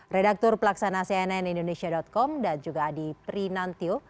redaktur pelaksana cnn indonesia com dan juga adi prinantio